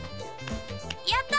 やった！